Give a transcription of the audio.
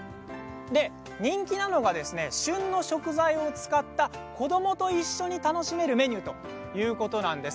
人気なのが旬の食材を使った子どもと一緒に楽しめるメニューということなんです。